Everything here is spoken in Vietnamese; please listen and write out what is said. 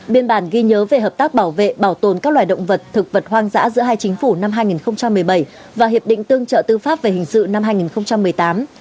biên bản ghi nhớ về hợp tác bảo vệ bảo tồn các loài động vật thực vật hoang dã giữa hai chính phủ năm hai nghìn một mươi bảy và hiệp định tương trợ tư pháp về hình sự năm hai nghìn một mươi tám